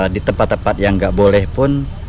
di tempat tempat yang nggak boleh pun